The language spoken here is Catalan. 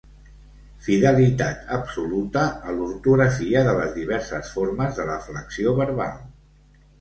Fidelitat absoluta a l’ortografia de les diverses formes de la flexió verbal.